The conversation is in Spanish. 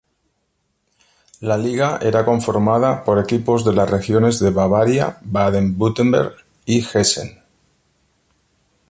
La liga era conformada por equipos de las regiones de Bavaria, Baden-Württemberg y Hessen.